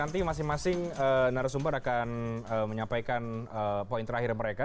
nanti masing masing narasumber akan menyampaikan poin terakhir mereka